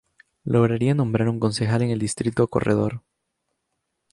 Lograría nombrar un concejal en el distrito Corredor.